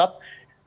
ala bernyata beda